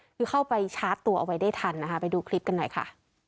คือเข้าไปชาร์จตัวเอาไว้ได้ทันนะคะไปดูคลิปกันหน่อยค่ะ